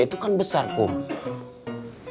itu kan besar kum